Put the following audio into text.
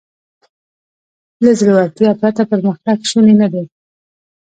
له زړهورتیا پرته پرمختګ شونی نهدی.